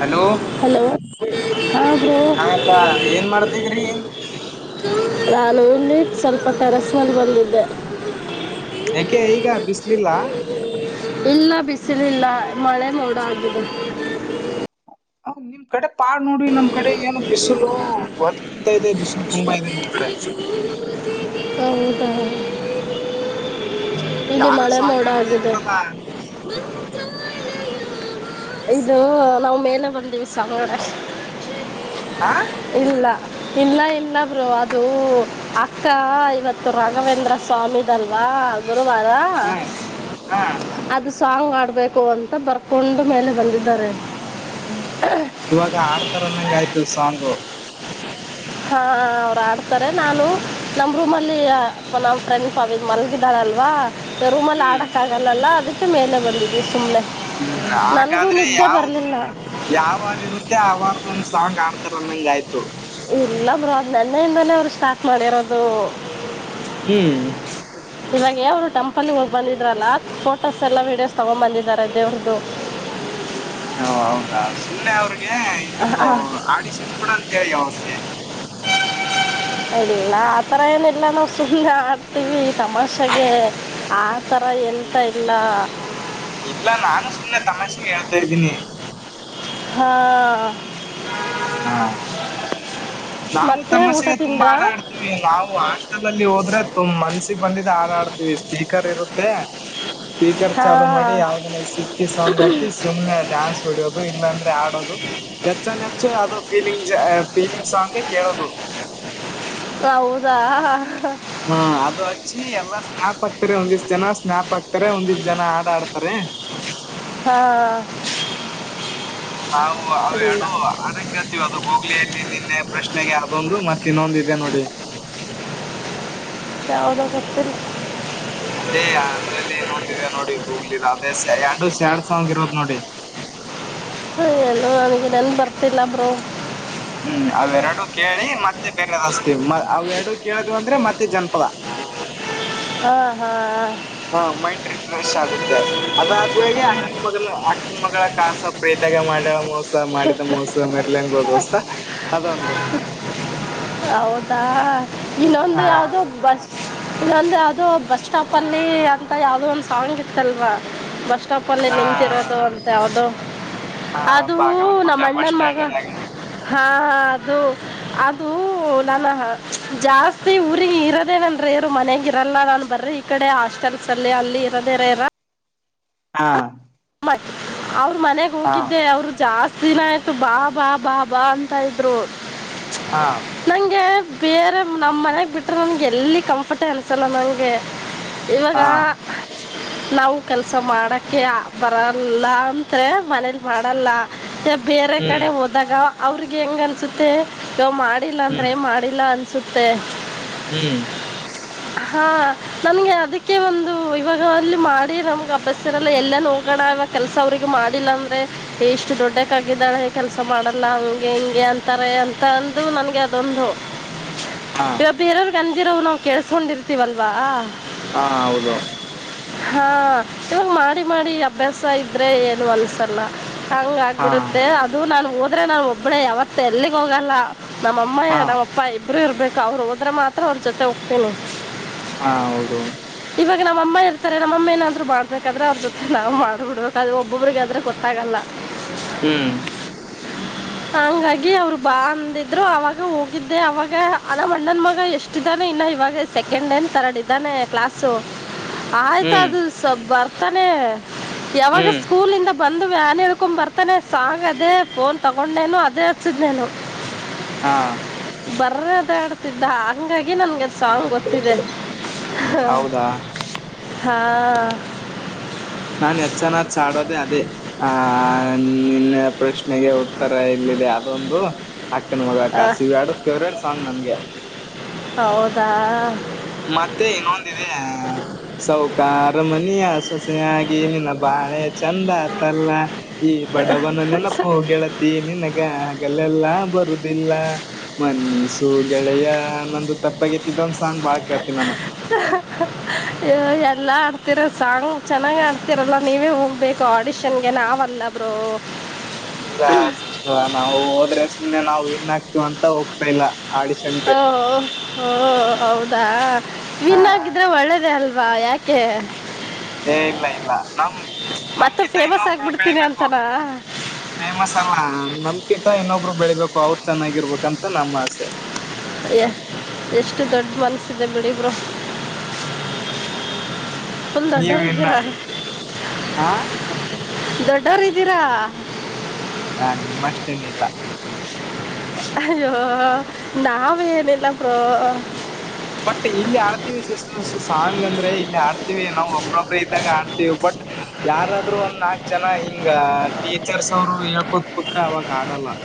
Hello hello ಹಾ bro ಹಾಪಾ ಏನ್ ಮಾಡ್ತಿದ್ರಿ ನಾನು ಸ್ವಲ್ಪ ಟೆರೆಷ್ ಮೇಲೆ ಬಂದಿದ್ದೆ ಯಾಕೆ ಈಗ ಬಿಸ್ಲಿಲ್ಲ ಇಲ್ಲ ಬಿಸಿಲಿಲ್ಲ ಮಳೆ ನೋಡ ಆಗಿದೆ ಹ ನಿಮ್ ಕಡ ಪಾ ನೋಡಿ ನಮ್ ಕಡೆ ಏನು ಬಿಸಿಲು ದರ್ತ ಇದೆ ಬಿಸಿಲು ತುಂಬಾ ಇದೆ ನಮ್ ಕಡೆ. [inaudible] ಹೌದ ಹ್ಮ್ ಇಲ್ಲಿ ಯಾರ ಮಳೆ ಸಾಂಗ್ ಮೋಡ ಆಡ್ತಾ ಆಗಿದೆ ಇದ್ದಾರಲ್ಲ ಇದು ನಾವು ಮೇಲೆ ಬರ್ಂದೀವಿ ಸಾವರ. ಹ ಇಲ್ಲ ಇಲ್ಲ ಇಲ್ಲ ಬ್ರೋ ಅದು ಅಕ್ಕ ಇವತ್ತು ರಾಘವೇಂದ್ರ ಸ್ವಾಮಿದಲ್ವಾ ಅದು ಬಾರ ಹ ಹಾ ಅದು ಸಾಂಗ್ ಆಡ್ಬೇಕು ಅಂತ ಬರ್ಕೊಂಡ್ ಮೇಲೆ ಬಂದಿದ್ದಾರೆ ಹೂ ಇವಾಗ ಆಡ್ತಾರನ್ನಂಗ ಆಯ್ತು ಸಾಂಗು ಹಾ ಅವ್್ರ ಆಡ್ತಾರೆ ನಾನು ನಮ್ ರೂಮ್ ಅಲ್ಲಿ ನಮ್ಮ್ ಫ್ರೆಂಡ್ ಮಲ್ಗಿದ್ದಾಳ ಅಲ್ವಾ ರೂಮಲ್ಲಿ ಹ್ಮ್ ಆಡಕ್ ಆಗಲ್ಲಲ್ಲ ಅದಕ್ಕೆ ಮೇಲೆ ಬಂದಿದ್ವಿ ಸುಮ್ನೆ ಹೂ ಹಾಗಾದ್ರೆ ಯಾವ್ದ ಯಾವಾರ ಇರುತ್ತೆ ಅವಾರ್ದೊಂದಸ ಸಾಂಗ್ ಆಡ್ತಾರ ಅಂದಂಗ ಆಯ್ತು ಇಲ್ಲ ಬ್ರೋ ನೆನ್ನೆಯಿಂದಲೇ ಅವ್ರು ಸ್ಟಾರ್ಟ್ ಮಾಡಿರೋದು ಹ್ಮ್ ಇವಗೆ ಅವ್ರು ಟೆಂಪಲ್ ಪ್ಪಲ್ಲಿ ಹೋಗ್ ಬಂದಿದ್ರಲ್ಲ ಫೋಟೋಸ್ ಎಲ್ಲ ವೀಡಿಯೋಸ್ ತಗೊಂಡ್ ಬಂದಿದ್ದಾರೆ ದೇವ್ರ್ದು ಹೂ ಹೌದಾ ಸುಮ್ಮನೆ ಅವ್ರಿಗೆ ಇದಕ್ಕೂ ಆಡಿಷನ್ ಕೊಡು ಅಂತ ಹೇಳಿಯ ಅವ್ರಿಗೆ ಅಯ್ಯೋ ಅತರ ಏನಿಲ್ಲ ಅಣ್ಣ ಸುಮ್ನೆ ಆಡ್ತೀವಿ ತಮಾಷೆಗೆ ಆ ಥರ ಹೇಳ್ತಾ ಹ್ಮ್ ಇಲ್ಲ ಇಲ್ಲ ನಾನು ಸುಮ್ನೆ ತಮ್ಮಾಷೆಗೆ ಹೇಳ್ತಾ ಇದ್ದೀನಿ ಹಾ ಹಾ ನಾವು ಮತ್ತೆ ಊಟ ತಮ್ಮಸೆಗೆ ತುಂಬಾ ತಿಂದ್ರಾ ಆಟ ಆಡ್ತೀವಿ ನಾವು ಹಾಸ್ಟೆಲ್ ಅಲ್ಲಿ ಹೋದ್ರೆ ತು ಮನ್ಸಿಗೆ ಬಂದಿದ ಆಡಾಡ್ ಮಾಡ್ತೀವಿ ಸ್ಪೀಕರ್ ಇರುತ್ತೆ ಸ್ಪೀಕರ್ ಚಾಲುೂ ಮಾಡಿ ಹಾಂ ಯಾವ್ದನ್ನ ಸಿಕ್ಕಿ ಸಾೌಂಗ್ ಹಾಕಿ ಸುಮ್ಮ್ನೆ ಡಾನ್ಸ್ ಹೊಡಿಯೋದು ಇಲ್ಲಾಂದ್ರೆ ಆಡೋದು ಹೆಚ್ಚನ್ ಹೆಚ್ಚು ಅದು ಫೀಲಿಂಗ್ಸ್ ಫೀಲಿಂಗ್ ಸಾಂಗೆ ಕೇಳೋದು ಹೌದ ಆ ಹೂ ಅದು ಹಚ್ಚಿ ಎಲ್ಲಾ ಸ್ನೇಪ್ ಹಾಕ್ತಾರೆ ಒಂದಿಷ್ಟ ಜನ ಸ್ನೇಪ್ ಆಕ್ತ ಹತಾರೆ ಒಂದಿ ಜನ ಹಾಡು ಆಡ್ತಾರೆ ಹಾ ನಾವು ಅವ ಇಲ್ಲ ಅಡು ಹಡ ಕೇಳ್ತಿೀವಿ ಅದು ಹೂಗ್ಲಿಯಲ್ಲಿ ನಿನ್ನೆ ಪ್ರಶ್ನೆಗೆ ಅದೊಂದು ಮತ್ತ ಇನ್ನೊಂದು ಇದೆ ನೋಡಿ ಯಾವ್ದು ಗೊತ್ತಿಲ್ಲ ಅದೇ ಅದ್ರಲ್ಲಿ ಇನ್ನೊಂದಿದೆ ಸಾಂಗರೋದ ನೋಡಿ ಹ ಎಲ್ಲೂ ನನಗೆ ನೆನಪು ಬರ್ತಿಲ್ಲ ಬ್ರೋ ಹೂ ಅವೆರಡು ಕೇಳಿ ಮತ್ತೆ ಬೇರೆದಸ್ತೀವಿ ಅವ ಎರಡು ಕೇಳಿದ್ ಅಂದ್ರೆ ಮತ್ತೆ ಜನಪದ ಹ ಹಾ ಹಾ ಹ ಹ ಮೈಂಡ್ ರಿಫ್ರೆಶ್ ಆಗುತ್ತೆ ಅದಾದೊಳಗೆ ಅಕ್ಕನ ಮ ಅಕ್ಕನ ಮಗಳ ಕಾಸ ಪ್ರೇತ್ ಮಾಡೇಳ ಮೋಸ ಸ ಮಾಡಿದ ಮೋಸ ಮೇರ್ಲೆಂಗಬೋದುಸ್ತ ಅದೊಂದು ಹೌದಾ ಇನ್ನೊಂದು ಹಾ ಯಾವ್ದೋ ಬಸ್ ಇಂದ ಒಂದು ಅದು ಬಸ್ ಸ್ಟಾಪ್ ಅಲ್ಲಿ ಅಂತ ಯಾವ್ದೋ ಒಂದ್ ಸಾಂಗ್ ಇತ್ತಲ್ವಾ ಬಸ್ ಪಲ್ಲಿ ಹಾ ನಿಂತಿರೋದು ಅಂತ ಯದು ಹಾ ಅದು ಹ ಬಾಗಲಕೋಟೆ ಬಸ್ ನಮ್ಮಣ್ಣನ್ ಮಗ ಸ್ಟ್ಯಾಂಡ್ನಾಗ ಹಾ ಅದು ನನ್ನ ಜಾಸ್ತಿ ಊರಿಗೆ ಇರದೇನಂದ್ರರು ಮನಗಿರ ಲ್ಲ ನಾನ್ ಬರ್ರಿ ಈ ಕಡೆ ಹಾಸ್ಟೆಲ್ಸ್ ಅಲ್ಲಿ ಅಲ್ಲಿ ಇರದ ಇರ ಇರ ಹಾ ಅವ್ರ ಮನೆಗ್ ಹಾ ಹೋಗಿದ್ದೆ ಅವರು ಜಾಸ್ತಿ ದಿನ ಆಯ್ತು ಬಾ ಬಾ ಬಾ ಬಾ ಅಂತ ಇದ್ರು ಹಾ ನಂಗೆ ಬೇರೆ ನಮ್ಮ್ ಮನೆಗ್ ಬಿಟ್ರೆ ನನ್ಗೆ ಎಲ್ಲಿ ಕಂಫರ್ಟ ಅನ್ಸಲ್ಲ ನಂಗೆ ಇವಾಗ ಹಾ ನಾವು ಕೆಲಸ ಮಾಡೋಕ್ಕೆ ಬರಲ್ಲ ಅಂದ್ರೆ ಮನೇಲಿ ಮಾಡಲ್ಲ ಬೇರೆ ಹ್ಮ್ ಕಡೆ ಹೋದಾಗ ಅವ್ರಿಗೆ ಹೆಂಗ ಅನ್ಸುತ್ತೆ ಯ ಮಾಡಿಲ್ಲ ಅಂದ್ರೆ ಹ್ಮ್ ಮಾಡಿಲ್ಲ ಅನ್ಸುತ್ತೆ ಹ್ಮ್ ಹಾ ನನ್ಗೆ ಅದಕ್ಕೆ ಒಂದು ಇವಾಗ ಅಲ್ಲಿ ಮಾಡಿ ನಮ್ ಅಪಸ್ಸಿರಲ್ಲ ಎಲ್ಲನೂ ಆಗಣ ಇವ ಕೆಲಸ ಅವ್ರಿಗೆ ಮಾಡಿಲ್ಲ ಅಂದ್ರೆ ಇಷ್ಟು ದೊಡ್ಡಕ್ಕ ಆಗಿದ್ದಾಳೆ ಕೆಲ್ಸ ಮಾಡಲ್ಲ ಹಂಗೆ ಹಿಂಗೆ ಅಂತಾರೆ ಅಂತ ಅಂದು ನನ್ಗೆ ಅದೊಂದು ಹಾ ಇವಾಗ ಬೇರೆಯವ್ರಗ ಗಂದಜಿರೋರು ನಾವವು ಕೇಸ್ಕೊಂಡಿರ್ತೀವಲ್ವಾ ಹಾ ಹೌದು ಹಾ ಇವಾಗ ಮಾಡಿ ಮಾಡಿ ಅಭ್ಯಾಸ ಇದ್ರೆ ಏನು ಅನ್ಸಲ್ಲ ಹಾಗ ಹಾ ಆಗ್ಬಿಡುತ್ತೆ ಅದು ನಾನು ಹೋದ್ರೆ ನಾನು ಒಬ್ಬಳೆ ಯಾವತ್ತ ಎಲ್ಲಿಗೆ ಹೋಗಲ್ಲ ನಮ್ಮ ಅಮ್ಮ ಹಾ ನಮ್ಮಪ್ಪ ಇಬರುೂ ಇರ್ಬೇಕು ಅವ್ರು ಹೋದ್ರೆ ಮಾತ್ರ ಅವ್ರ ಜೊತೆ ಹೋಗ್ತೇನಿ ಹಾ ಹೌದು ಇವಾಗ ನಮ್ಮ ಇರ್ತಾರೆ ನಮ್ಮ ಏನಾದ್ರು ಮಾಡಬೇಕಾದ್ರೆ ಅವ್ರ ಜೊತೆ ನಾವು ಮಾಡ್ಬಿಡ್ಬೇಕ ಅದು ಒಬ್ಬೊಬ್ರಿಗೆ ಆದದ್ರ ಗೊತ್ತಾಗಲ್ಲ ಹ್ಮ್ ಹಂಗಾಗಿ ಅವ್ರು ಬಾ ಅಂದಿದ್ರು ಅವಾಗ ಹೋಗಿದ್ದೆ ಅವಾಗ ಅದ ಅಣ್ಣನ್ ಮಗ ಎಷ್ಟು ದನ ಇವಾಗ ಸೆಕೆಂಡ್ ಏನ್ ತರಡ್ ಇದ್ದಾನೆ ಕ್ಲಾಸ್ ಆಯ್ತ ಹ್ಮ್ ಅದು ಸ್ ಬರ್ತಾನೆ ಯಾವಾಗ ಹ್ಮ್ ಸ್ಕೂಲಿಂದ ಬಂದು ವ್ಯಾನ್ ಹೇಳ್ಕೊಬರ್ತಾನೆ ಸಾಂಗ್ ಅದೇ ಫೋನ್ ತಗೊಂಡ್ ನೇನು ಅದೇ ಹಸಿದ್ ನೇನು ಹಾ ಬರ್ರ ಅದ ಆಡ್ತಿದ್ದ ಹಂಗಾಗಿ ನನ್ಗೆ ಸಾಂಗ ಗೊತ್ತಿದೆ ಹೌದಾ ಹಾ ನಾನ್ ಹೆಚ್ಚನ್ಡೋದೆೇ ಅದೇ ಆ ನಿನ್ನ ಪ್ರಶ್ನೆಗೆ ಉತ್ತರ ಇಲ್ಲ ಇದೆ ಅದೊಂದು ಅಕ್ಕನ ಆ, ಮಗಳಕ್ಕ ಸಿವ್ಯಾಡು ಫೇವ್ರೇಟ್ ಸಾಂಗ್ ನನ್ಗೆ ಹೌದಾ ಮತ್ತೆ ಇನ್ನೊಂದಿದೆ ಸೌಖ ಅರಮನ ಸವಸನೆಯಾಗಿ ಏನೇನ ಬಾಳೆ ಚಂದ ಆತಲ್ಲ ಈ ಬಡವನನೇನಪ್ಪ ಹೋಗ ಹೇಳತಿ ನಿನ್ಗ ಹಾಗಲ್ಲೆಲ್ಲಾ ಬ ಲ್ಲ ಮನಸು ಗೆಳೆಯ ನೊಂದು ತಪ್ಪಾಗ ಎತ್ತಿದ್ದಂದ ಸ್ ಬ ಹ ಎಲ್ಲಾ ಅ ರ ಸಾಂಗ್ ಚೆನ್ನಾಗ್ ಆಡ್ತಿರಲ್ಲ ನೀವೇ ಹೋಗ್ಬೇಕು ಆಡಿಷನ್ ಗೆ ನಾವಲ್ಲಬ್ರು ಇಲ್ಲ ಸಿಸ ನಾವು ಹೋದ್ರೆ ಸುಮ್ನೆ ನಾವು ಇನ್ಕ್ತಿವ ಅಂತ ಹೋಗ್ತಾ ಇಲ್ಲ ಆಡಿಷನ್ಗೆ ಓ ಓ ಹೌದಾ ಹಾ ಇನ್ಗಿದ್ರೆ ಒಳ್ಳೇದ ಅಲ್ವಾ ಯಾಕೆ ಏ ಇಲ್ಲ ಇಲ್ಲ ನಮ ಮತ್ತೆ ನಮ್ಕಿತ್ತ ಫೇಮಸ್ ಇನ್ನೊಬ್ರು ಆಗಿಬಿಡ್ತೀನಿ ಬೆಳಿಬೇಕು ಅಂತನಾ ಫೇಮಸ್ ಅಲ್ಲಾ ನಮ್ಕಿತ ಇನ್ನೊಬ್ರು ಬೆಳಬೇಕು ಅವ್ರು ಚೆನ್ನಾಗಿರ್ಬೇಕಂತ ನಮ್ಮ ಆಸೆ ಅಯ್ಯ ಎಷ್ಟು ದೊಡ್ಡ ಮನಸಿದೆ ಬಿಡಿಿಬ್ರು ಹ್ಮ್ ತಂದಡರ ನೀವ್ ಇನ್ನ ಇಗರ ಹಾ ದೊಡ್ಡೋವರಿದ್ದೀರಾ ಹಾ ನಿಮ್ಮ ಅಷ್ಟೇಲ್ಲಿಲ್ಲ. ಅಯ್ಯೋ ನಾವೇನಲ್ಲ ಬ್ರೋ. ಬಟ್ ಇಲ್ಲಿ ಆಡ್ತೀವಿ ಸಿಸ್ಟರ್ ಸಾಂಗ್ ಅಂದ್ರೆ ಇಲ್ಲಿ ಆಡ್ತೀವಿ ನಾವವು ಒಬ್ರೊಬ್ರ ಇದ್ದಾಗ ಆಡ್ತೀವಿ ಬಟ್. ಬಟ್ ಯಾರಾದ್ರು ಒಂದ್ ನಾಕ್ ಜನ ಹಿಂಗ ಟೀಚರ್ಸ್ ಅವರು ಹೇಳ್ಕೂತ್ ಕುೂತ್್ರೆ ಅವಾಗ ಆಡಲ್ಲ [inaudible]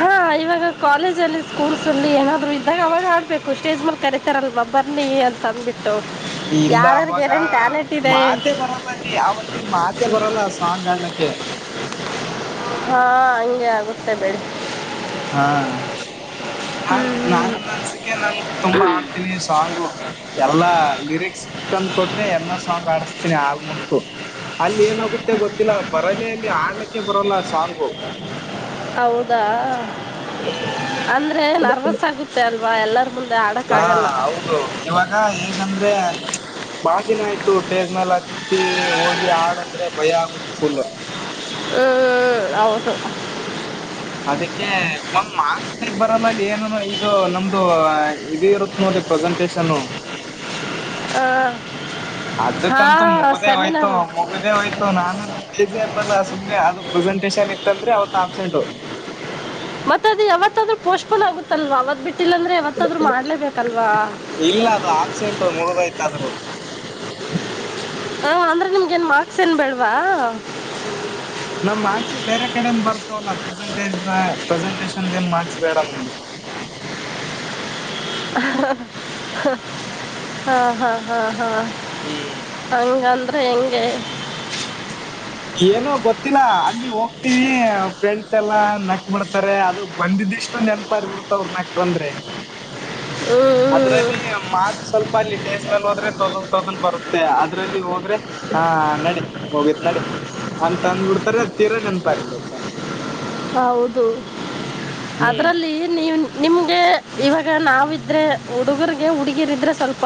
ಹಾ ಇವಾಗ ಕಾಲೇಜ್ ಅಲ್ಲಿ ಸ್ಕೂಲ್ಸ್ ಅಲ್ಲಿ ಏನಾದ್ರು ಇದ್ದಾಗ ಅವಾಗ ಆಡ್ಬೇಕು ಸ್ಟೇಜ್ ಮಲ್ ಕರತಾರಲ್ವಾ ಬನ್ನಿ ಅಂತ ಅಂದಿ ಇಲ್ಲ ಅವಾಗ ಟ್ಯಾಲೆಂಟ್ ಇದೆ ಮಾತೆ ಬರಲ್ಲ ಅಲ್ಲಿ ಅವಲ್ಲಿ ಮಾತೆ ಬರಲ್ಲ ಸಾಂಗ್ ಆಡ್ಲಕ್ಕೆ ಹಾ ಹಂಗೆ ಆಗುತ್ತೇಬೇಡಿ ಹಾ ನಾನ್ ನಾ ನನ್ಸಿಕೆ ನನ್ ತುಂಬಾ ಆಡ್ತೀನಿ ಸಾಂಗು ಎಲ್ಲಾ ಲಿರಿಕ್ಸ್ ತಂದ್ ಕೊಟ್ರೆ ಎಲ್ಲ ಸಾಂಗ್ ಆಡಿಸತೀನಿ ಆಲ್ಮೋಸ್ಟ್ ಅಲ್ಲಿ ಏನಾಗುತ್ತೆ ಗೊತ್ತಿಲ್ಲ ಬರಲ ಅಲ್ಲಿ ಆಡ್ಲಿಕ್ಕೆ. ಹೌದಾ ಹ್ಮ್ ಅಂದ್ರೆ ನರ್ವಸ್ ಆಗುತ್ತೆ ಅಲ್ವಾ ಎಲ್ಲರ್ಗೂ. ಹಾ ಹೌದು ಇವಾಗ ಹೇಗಂದ್ರೆ. ಬಾಳ ದಿನ ಆಯ್ತು ಟೇಜ್ ಮೇಲ್ ಹತ್ತಿ ಹೋಗಿ ಆಡಂದ್ರೆ ಭಯ ಆಗುತ್ ಫುಲ್. ಹ್ಮ ಅವದು ಅದಕ್ಕೆ ಒಂದ್ ಮಾರ್ಸದಗ್ ಬರಲ್ಲ ಅಲ್ಲಿ ಏನ ಇದು ನಮ್ದು ಇದದು ಇರುತ್ ನೋಡ್ರಿ ಪ್ರೆ ಪ್ರೆಸೆಂಟೇಷನ್ನು. ಹಾ ಅದಕ್ಕಂತೂ ಮುಗುದೇ ಹೋಯ್ತು ಸೆಮಿನಾರ್ ಮುಗುದೇ ಹೋಯ್ತು ನಾನಂತ. ಜಿ ಹಬ್ಬಲ್ಲಾ ಸುಮ್ನೆ ಅದು ಪ್ರೆಸೆಂಟೇಶನ್ ಇತ್ತಂದ್ರೆ ಅವತ್ ಆಬ್ಸೆಂಟ. ಮತ್ತತ್ ಅದು ಯಾವತ್ತಾದ್ರೂ ಪೋಷ್ಕ ಆಗುತ್ತಲ್ವಾ ಅವತ್ ಬಿಟ್ಟ. ಇಲ್ಲ ಅದು ಆಬ್ಸೆಂಟ್ು ಮುಳಗಯ್ತ ಆದ್ರೂ. [inaudible] ಹ ಅಂದ್ರೆ ನಿಮ್ಗ ಏನ್ ಮಾರ್ಕ್ಸ್ ಏನ್ ಬೆೇಳ್ವಾ ನಮ ಮಾರ್ಕ್ಸ್ ಬೇರೆ ಕಡಿಂದ ಬರ್ತಾವಲ್ಲಾ ಪ್ರೆಸೆಂಟಜ್ ಪ್ರೆಸೆಂಟೇಶನ್ ಏನ್ ಮಾರ್ಕ್ಸ್ ಬೇಡ ನಮ್ಗೆ [inaudible] ಹಾ ಹಾ ಹಾ ಹಾ ಹ್ಮ್ ಹಂಗ ಅಂದ್ರೆ ಹೆಂಗೆ. ಏನೋ ಗೊತ್ತಿಲ್ಲ ಅಲ್ಲಿ ಹೋಗ್ತೀವಿ ಫ್ರೆಂಡ್ಸ್ ಎಲ್ಲಾ ನಕ್ ಮಾಡಡ್ತಾರೆ ಅದು ಬಂದಿದ್ದ. ಇಷ್ಟು ನೆನಪಾರ್ ಬಿಡತ ಅವ್ರ ಮ್ಯಾಕ್ಟ್ರ ಅಂದ್ರೆ ಹ್ಮ್, ಅದ್ರಲ್ಲಿ ಮಾತ್ ಸ್ವಲ್ಪ. ಅಲ್ಲಿ ಟೇಸ್ ನಲ್ಲಿ ಹೋದ್ರೆ ತೊದನ್್ ತೊಗಂದ್ ಬರುತ್ತೆ ಅದ್ರಲ್ಲಿ ಹೋದ್ರೆ ಆ ನಡೆ ಮುಗೀತ್ ನಡೆ. ಅಂತ ಅಂದಬಿಡ್ತಾರ ತೀರ ನೆನ್ಪಾರಿ ಬಿಡತ್ತ. ಹ್ಮ್ ಅದ್ರಲ್ಲಿ ನೀ ನಿಮ್ಗೆ ಇವಾಗ ನಾವಿದ್ರೆ ಹುಡುಗರಿಗೆ ಹುಡುಗಿರಿದ್ರೆ ಸ್ವಲ್ಪ.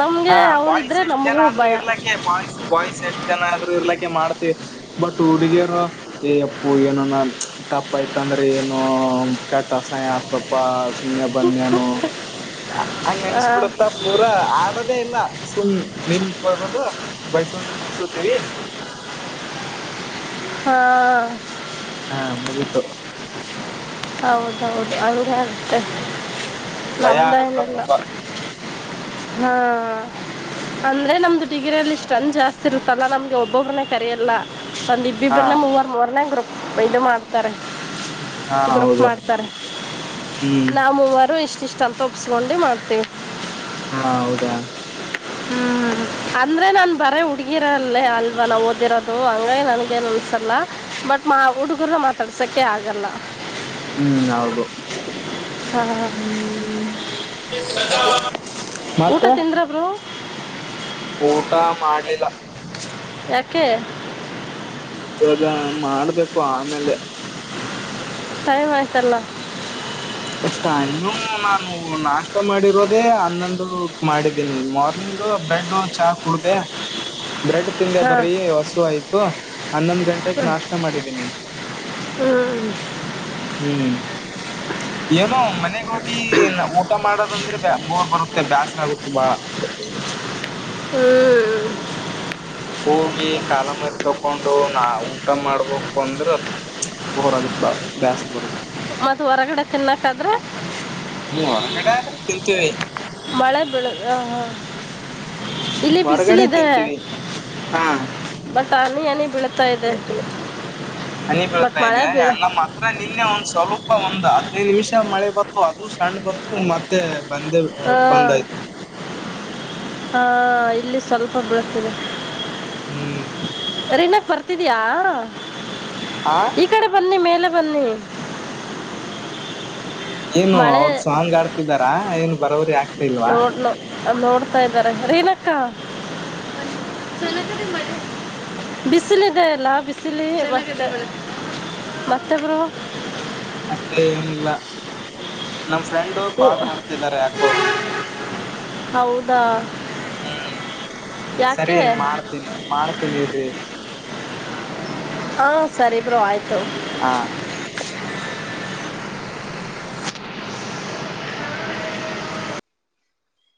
ನಮಗೆ ಹಾ ಬಾಯ್ಸ್ ಅವರಿದ್ರೆ ಎಷ್ಟ್ ಜನ ನಮಗೂ ಆದ್ರು ಭಯ ಇರ್ಲಕ ಬಾಯ್ಸ್ ಬಾಯ್ಸ್ ಎಷ್ಟ್ ಜನ ಆದ್ರು. ಇರ್ಲಿಕ್ಕೆ ಮಾಡ್ತಿವಿ ಬಟ್ ಹುಡುಗಿಯರು ಏ ಅಪ್ಪು ಏನ ತಪ್ಪ ಆಯತ ಅಂದ್ರೆ ಏನ್ ಕಟ ಸಾಯ ಹತ್ಪ್ಪ ಸುಮ್ಮ್ನೆ ಬನ್ನು. ಹಂಗೆ ಹಾಂ ಅನ್ಸ್ಬಿಡುತ್ತಾ ಪೂರಾ ಆ ಲ್ಲ ಸುಮ್ ನಿನ್ತ್ ಬರದು ಬೈಸಕೊಂಡ್ರೆ ಬೈಸತೇವಿ. [inaudible] ಹಾ ಹಾ ಮುಗಿತು. ಹೌದೌದು ಹಂಗಾಗತ್ತೆ ಹ್ಮ್ ಭಯ ಆಗುತ್ತ ನಮ್ದೇನಿಲ್ಲ. ತುಂಬಾ ಹಾ ಅಂದ್ರೆ ಹ್ಮ್ ನಮ್ದು ಡಿಗ್ರಿಯಲ್ಲಿ ಇಷ್ಟ. ನ್ ಜಾಸ್ತಿ ಇರುತ್ತಲ್ಲ ನಮ್ಗೆ ಒಬ್ಬೊಬ್್ರನೆೇ ಕರಿಯಲ್ಲ ಒಂದ ಹಾ ಇಬ್ಬಿಬ್್ರನೆೇ ಮೂವರ್ ಮೂರನೇ ಗ್ರೊಪ. ಅ ಇು ಮಾಡ್ತಾರೆ. ಹಾ ಹೌದು. ಗ್ರೂಪ್ ಮಾಡ್ತಾರೆ ಹ್ಮ್ ನಾ ಮೂವರು ಇಷ್ಟಿಷ್ಟ ಅಂತ ಒಪ್ಪಸ್ಕೊಂಡು ಮಾಡ್ತೀವಿ. ಹಾ ಹೌದಾ ಹ್ಮ್ ಅಂದ್ರೆ ನಾನ್ ಬರೇ ಹುಡ್ಗಿರಲ್ಲೇ ಅಲ್ವಾ ನಾ ಓದಿರೋದು ಹಂಗಾಗಿ ನನ್ಗೇನು. ಲ್ಲ ಬಟ್ ಮಾ ಹುಡುಗರ ಮಾತಾಡ್ಸಕ ಆಗಲ್ಲ. ಹ್ಮ್ ಹೌದು ಹಾಂ ಹ್ಮ ಊಟ ತಿಂದ್ರ ಬ್ರೋ. ಊಟ ಮಾಡ್ಲಿಲ್ಲ. ಯಾಕೆ. ಇವಾಗ ಮಾಡ್ಬೇಕು ಆಮೇಲೆ. ಟೈಮ್ ಆಯ್ತಲ್ಲ. ಟೈಮ ನಾನು ನಾಷ್ಟ ಮಾಡಿರೋದೆೇ ಹನ್ನೊಂದು ಮಾಡಿದ್ದೀನಿ ಮಾರ್ನಿಂಗ್ ಡ್ಡು ಚಾ ಕುಡತ [inaudible] ಬ್ರೆಡ್ ತಿಂದೆ ಹಾಂ ಬರೀ ಹಸು ಆಯ್ತು ಹನ್ನೊಂದ್ ಗಂಟಕ್ ನಾಷ್ಟ ಮಾಡಿದೀನಿ. ಹ್ಮ್ ಹ್ಮ್ ಏನೋ ಮನೆಗ ಹೋಗಿ ಊಟ ಮಾಡೋದಂದ್ರೆ. ಬೋರ್ ಬರುತ್ತೆ ಬೇಸರ ಆಗುತ್ತು ಬಾಳ. ಹ್ಮ್ ಹೋಗಿ ಕಾಲ ಮರಿ ತಕೊಂಡು ನಾ ಊಟ ಮಾಡ್ಬೇಕು ಅಂದ್ರೆ. ಬೋರಾಗುತ್ತ ಬಾಳ ಬ್ಯಾಸರ ಬರುತ್ತೆ ಮತ್ತ ಹೊರಗಡೆ ತಿನ್ನಕಾದ್ರೆ. ಹ್ಮ್ ಹೊರಗಡೆ ಆದ್ರೆ ತಿಂತೀವಿ ಮಳೆ ಬೀಳು ಹ ಹಾ. ಇಲ್ಲಿ ಬಿಸಿಲ ಹೊರಗಡೆ ಇದೆ ತಿಂತೀವಿ ಹಾ ಬಟ್ ಅನಿ ಬೆಳ. ಹನಿ ಬಟ್ ಬೀಳ್ತಾ ಇದೆ ಮಳೆ ನ ಬೀಳ ನಮ್ಮ ಮಾತ್ರ ನಿನ್ನೆ ಒಂದ್ ಸ್ವಲ್ಪ. ಒಂದ್ ಹದ್ನೈದು ನಿಮಿಷ ಮಳೆ ಬತ್ತು ಅದು ಸಣ್ಣ ಬತ್ತು ಮತ್ತೆ. ಬಂದೇ ಬಂದ್ ಆಯ್ತು. ಹಾ ಇಲ್ಲಿ ಸ್ವಲ್ಪ ಬೀಳತಿದೆ. ಹ್ಮ್ ರಿನಕ್ ಬರ್ತಿದ್ಯಾ ಆ ಈ ಕಡೆ ಬನ್ನಿ ಮೇಲೆ. ಬನ್ನಿ ಏನು ಮಳೆ ಅವ್ರ ಸಾಂಗ ಆಡ್ತಿದ್ದಾರ ಏನು ಬರವರಿ ಆಗ್ತಾ ಇಲ್ವಾ. ಅ ನೋಡ್ತಾ ಇದ್ದಾರೆ ರೇನಕ್ಕಾ. ಬಿಸಿಲ ಇದೆ ಎಲ್ಲಾ ಬಿಸಿಲಿ ಮ ಮತ್ತೆಬ್ರು. ಮತ್ತೆ ಏನಿಲ್ಲ ನಮ್ ಫ್ರೆಂಡು ಕಾಲ್ ಮಾಡ್ತಿದ್ದಾರೆ ಯಾಕೋ. ಹೌದಾ. ಹ್ಮ್ ಸರಿ ಯಾಕೆ ಹೆಂಗ ಮಾಡ್ತೀನಿ ಮಾಡ್ತೀನಿ ಇರಿ. ಹಾ ಸರಿ ಬ್ರೋ ಆಯ್ತು. ಹಾ